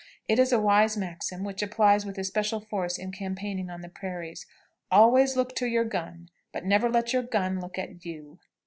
It is a wise maxim, which applies with especial force in campaigning on the prairies, "_Always look to your gun, but never let your gun look at you.